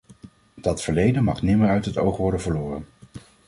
Dat verleden mag nimmer uit het oog worden verloren.